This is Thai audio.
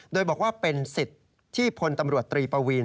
โดยบอกว่าเป็นสิทธิ์ที่พลตำรวจตรีปวีน